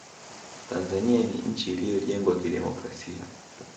tanzania ni nchi iliyojengwa kidemokrasia